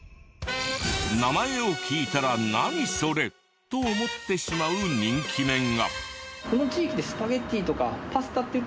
名前を聞いたらナニソレと思ってしまう人気麺が。